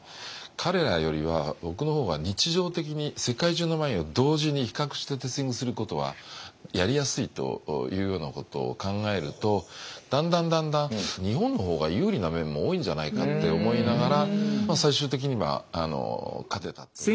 彼らよりは僕の方が日常的に世界中のワインを同時に比較してテイスティングすることはやりやすいというようなことを考えるとだんだんだんだん日本の方が有利な面も多いんじゃないかって思いながら最終的には勝てたという。